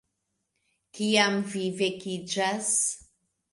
- Kiam vi vekiĝas